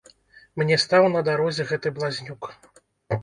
Мне стаў на дарозе гэты блазнюк.